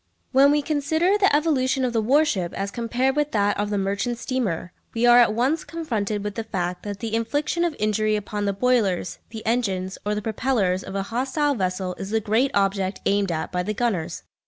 When we come to consider the evolution of the warship as compared with that of the merchant steamer, we are at once confronted with the fact that the infliction of injury upon the boilers, the engine, or the propellers of a hostile vessel is the great object aimed at by the gunners.